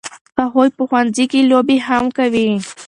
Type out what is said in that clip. هغوی په ښوونځي کې لوبې هم کوي.